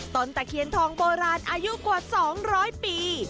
ตะเคียนทองโบราณอายุกว่า๒๐๐ปี